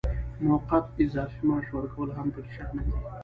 موقت اضافي معاش ورکول هم پکې شامل دي.